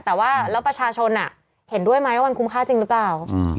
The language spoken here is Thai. แต่ว่าแล้วประชาชนเห็นด้วยไหมว่ามันคุ้มค่าจริงหรือเปล่า